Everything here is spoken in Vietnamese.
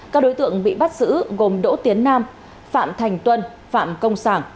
các đối tượng bị bắt giữ gồm đỗ tiến nam phạm thành tuân phạm công sản